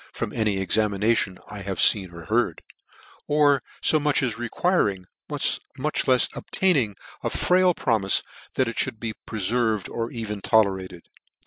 195 from any examination I have feen or heard) or fo much as requiring, much lefs obtaining a frail promife, that it mould be preferred, or even tolerated.